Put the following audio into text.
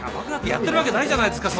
やってるわけないじゃないですか。